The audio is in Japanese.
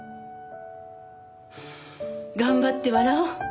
頑張って笑おう。